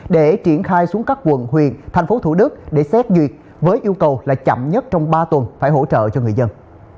để triển khai xuống các quận huyện thành phố thủ đức để xét duyệt với yêu cầu là chậm nhất trong ba tuần phải hỗ trợ cho người dân